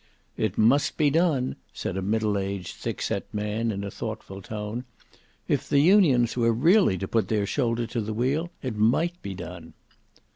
"It might be done," said a middle aged, thickset man, in a thoughtful tone. "If the Unions were really to put their shoulder to the wheel, it might be done."